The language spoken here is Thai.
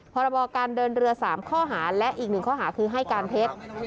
พรบการเดินเรือ๓ข้อหาและอีกหนึ่งข้อหาคือให้การเท็จ